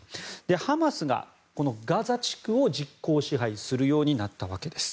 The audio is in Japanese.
ハマスがガザ地区を実効支配するようになったわけです。